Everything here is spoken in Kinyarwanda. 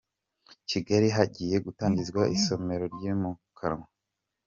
Kigali Hagiye gutangizwa isomero ryimukanwa